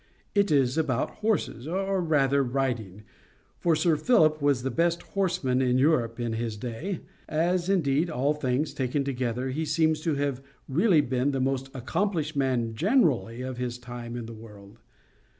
It is about horses, or rather, riding—for Sir Philip was the best horseman in Europe in his day, as, indeed, all things taken together, he seems to have really been the most accomplished man generally of his time in the world.